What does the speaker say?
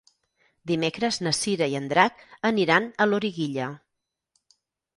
Dimecres na Cira i en Drac aniran a Loriguilla.